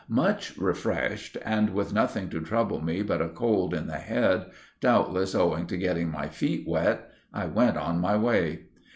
Much refreshed and with nothing to trouble me but a cold in the head, doubtless owing to getting my feet wet, I went on my way.